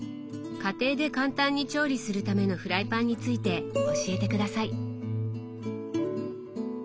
家庭で簡単に調理するためのフライパンについて教えて下さい。